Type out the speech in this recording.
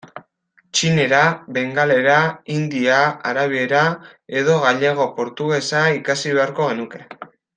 Txinera, bengalera, hindia, arabiera, edo galego-portugesa ikasi beharko genuke.